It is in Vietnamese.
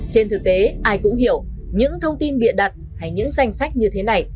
trên thực tế ai cũng hiểu những thông tin bịa đặt hay những danh sách như thế này